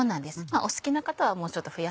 お好きな方はもうちょっと。